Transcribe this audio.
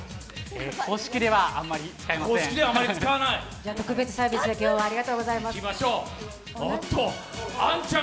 公式ではあまり使いません。